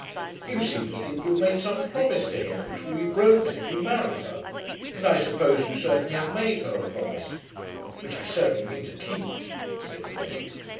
"You seem to think you have made some promise to him which will be broken if you marry her; and I suppose you certainly have made her a promise." "Which I certainly mean to keep," said Fred.